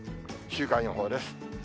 週間予報です。